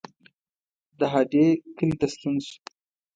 د هډې کلي ته ستون شو.